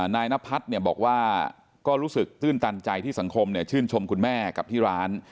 นายนพัฒน์บอกว่าก็รู้สึกตื้นตันใจที่สังคมชื่นชมคุณแม่กับที่ร้าน